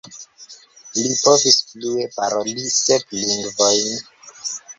Li povis flue paroli sep lingvojn.